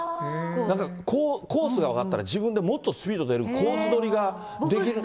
なんか、コースが分かったら、自分でもっとスピード出る、コース取りができる。